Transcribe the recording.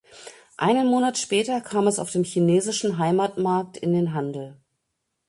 Einen Monat später kam es auf dem chinesischen Heimatmarkt in den Handel.